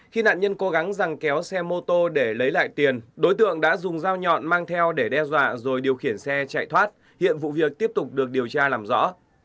khi nạn nhân cố gắng rằng kéo xe mô tô để lấy lại tiền đối tượng đã dùng dao nhọn mang theo để đe dọa rồi điều khiển xe chạy thoát hiện vụ việc tiếp tục được điều tra làm rõ